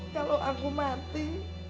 kalau aku mati